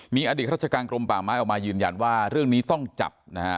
มีอดีตราชการกรมป่าไม้ออกมายืนยันว่าเรื่องนี้ต้องจับนะฮะ